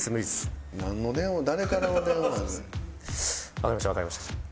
わかりましたわかりました。